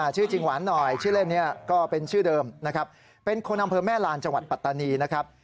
ชื่อจริงหวานหน่อยชื่อเล่นนี้ก็เป็นชื่อเดิมนะครับเป็นคนอำเภอแม่ลานจังหวัดปัตตานีนะครับ